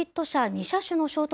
２車種の衝突